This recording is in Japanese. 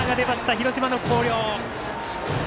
広島の広陵！